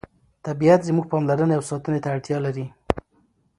طبیعت زموږ پاملرنې او ساتنې ته اړتیا لري